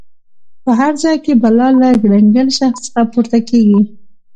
په هر ځای کې بلا له ګړنګن شخص څخه پورته کېږي.